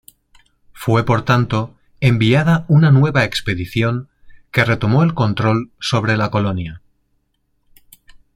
Fue, por tanto, enviada una nueva expedición que retomó el control sobre la colonia.